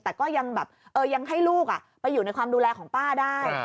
แต่ก็ยังแบบยังให้ลูกไปอยู่ในความดูแลของป้าได้